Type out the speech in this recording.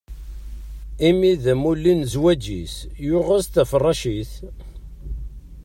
Imi d amulli n zzwaǧ-is, yuɣ-as-d taferracit.